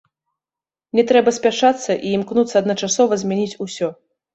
Не трэба спяшацца і імкнуцца адначасова змяніць усё.